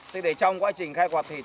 thế để trong quá trình khai quật